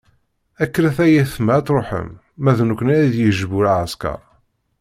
Kkret ay ayetma ad truḥem, ma d nekkni ad d-yejbu lɛesker.